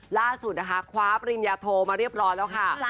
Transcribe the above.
ล่าสุดนะคะคว้าปริญญาโทมาเรียบร้อยแล้วค่ะ